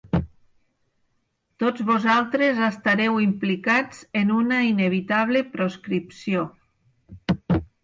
Tots vosaltres estareu implicats en una inevitable proscripció.